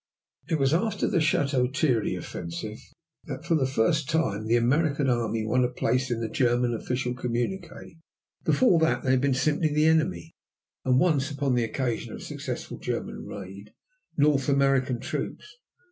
It was after the Château Thierry offensive that for the first time the American Army won a place in the German official communique. Before that they had been simply "the enemy," and once, upon the occasion of a successful German raid, North American troops.